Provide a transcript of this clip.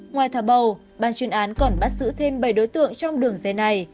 ngoài thả bầu ban chuyên án còn bắt giữ thêm bảy đối tượng trong đường dây này